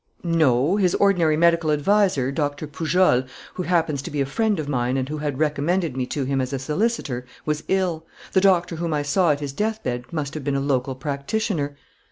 "No, his ordinary medical adviser, Doctor Pujol, who happens to be a friend of mine and who had recommended me to him as a solicitor, was ill. The doctor whom I saw at his death bed must have been a local practitioner."